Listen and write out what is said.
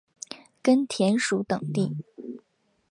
根田鼠等地。